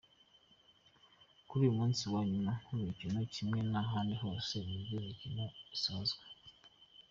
Kuri uyu munsi wa nyuma w’imikino, kimwe n’ahandi hose nibwo imikino isozwa.